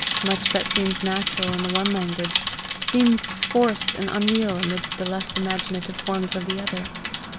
Much that seems natural in the one language, seems forced and unreal amidst the less imaginative forms of the other.